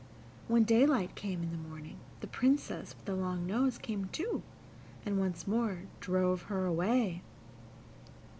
When daylight came in the morning, the Princess with the long nose came too, and once more drove her away.